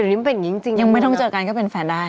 เดี๋ยวนี้ยังไม่ต้องเจอกันก็เป็นแฟนได้